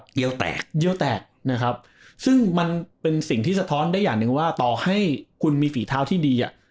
ตัวนี้แบบเยี่ยวแตกซึ่งมันเป็นสิ่งที่สะท้อนได้อย่างหนึ่งว่าต่อให้คุณมีฝีเท้าที่ดี